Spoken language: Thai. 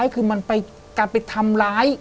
คือมันไปการไปทำร้าย